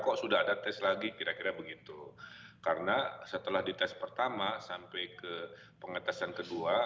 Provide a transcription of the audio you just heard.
kok sudah ada tes lagi kira kira begitu karena setelah dites pertama sampai ke pengetesan kedua